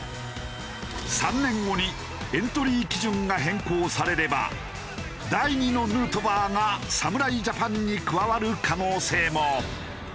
３年後にエントリー基準が変更されれば第２のヌートバーが侍ジャパンに加わる可能性も。